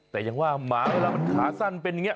แต่ยังว่าหมาเวลามันขาสั้นเป็นอย่างนี้